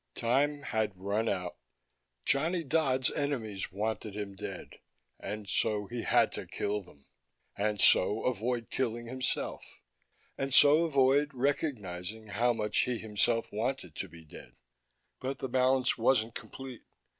Time had run out. Johnny Dodd's enemies wanted him dead, and so he had to kill them (and so avoid killing himself, and so avoid recognizing how much he himself wanted to be dead). But the balance wasn't complete.